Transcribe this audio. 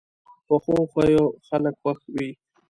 پخو خویو خلک خوښ وي